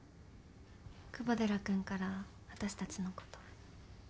久保寺君から私たちのこと。